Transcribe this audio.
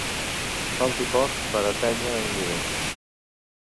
Falti poc per atènyer un nivell.